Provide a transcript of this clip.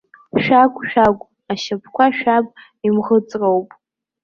Шәагә, шәагә, ашьапқәа шәаб имӷыҵроуп!